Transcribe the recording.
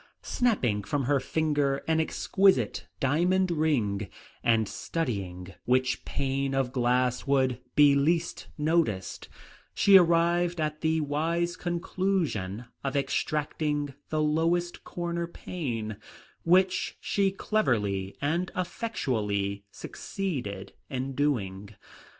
Snapping from her finger an exquisite diamond ring, and studying which pane of glass would be least noticed, she arrived at the wise conclusion of extracting the lowest corner pane, which she cleverly and effectually succeeded in doing.